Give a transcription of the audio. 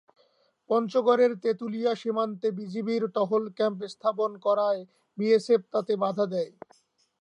পঞ্চগড়ের তেঁতুলিয়া সীমান্তে বিজিবির টহল ক্যাম্প স্থাপন করায় বিএসএফ তাতে বাধা দেয়।